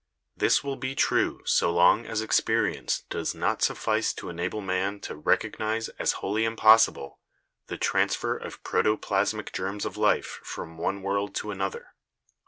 This will be true so long as experience does not suffice to enable man to recog nise as wholly impossible the transfer of protoplasmic germs of life from one world to another.